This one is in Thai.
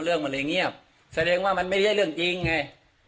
เรื่องมันเลยเงียบแสดงว่ามันไม่ใช่เรื่องจริงไง